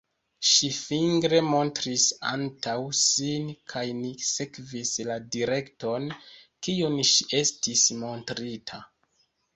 Ŝi fingre montris antaŭ sin kaj ni sekvis la direkton, kiun ŝi estis montrinta.